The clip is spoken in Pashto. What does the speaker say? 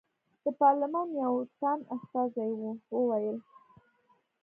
د پارلمان یو تن استازي وویل.